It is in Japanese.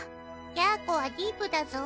やーこはディープだぞ。